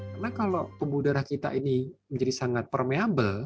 karena kalau pembuluh darah kita ini menjadi sangat permeable